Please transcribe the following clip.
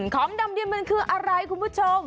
ของดำดินมันคืออะไรคุณผู้ชม